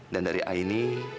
dan dari aini